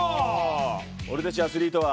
俺たちアスリートは。